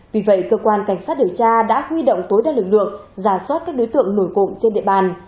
vì vậy cơ quan cảnh sát điều tra đã huy động tối đa lực lượng giả soát các đối tượng nổi cộng trên địa bàn